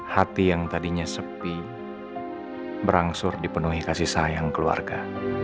hati yang tadinya sepi berangsur dipenuhi kasih sayang keluarga